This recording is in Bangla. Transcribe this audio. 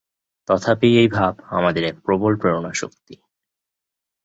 তথাপি এই ভাব আমাদের এক প্রবল প্রেরণাশক্তি।